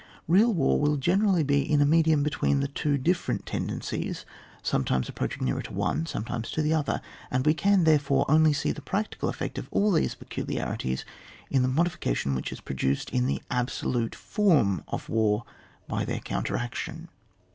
Real war will generally be in a medium between the two different tendencies, sometimes approaching nearer to one, sometimes to the other, and we can, therefore, only see the practical effect of these peculiarities in the modification which is produced, in the absolute form of war by their counteraction.